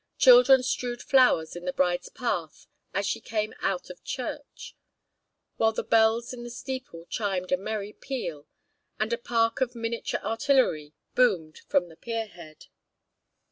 Children strewed flowers in the bride's path as she came out of church, while the bells in the steeple chimed a merry peal, and a park of miniature artillery boomed from the pier head.